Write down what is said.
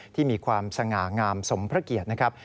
ที่มีความสง่างามสมพระเกียรตินะครับ